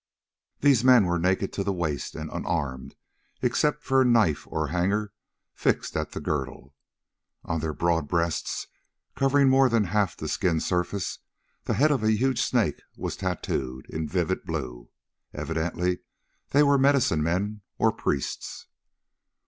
These men were naked to the waist and unarmed, except for a knife or hanger fixed at the girdle. On their broad breasts, covering more than half the skin surface, the head of a huge snake was tattooed in vivid blue. Evidently they were medicine men or priests.